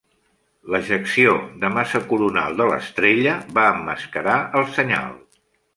L'ejecció de massa coronal de l'estrella va emmascarar el senyal.